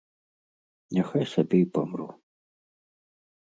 Няхай сабе і памру.